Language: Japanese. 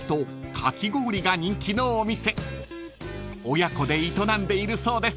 ［親子で営んでいるそうです］